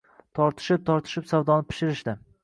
Tortishib-tortishib, savdoni pishirishdi